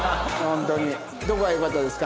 どこがよかったですか？